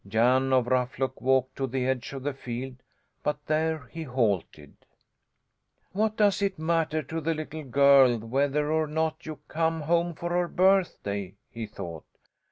Jan of Ruffluck walked to the edge of the field; but there he halted. "What does it matter to the little girl whether or not you come home for her birthday?" he thought.